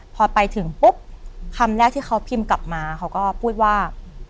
พอไปถึงปุ๊บคำแรกที่เขาพิมพ์กลับมาเขาก็พูดว่า